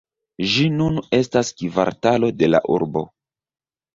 Ĝi nun estas kvartalo de la urbo.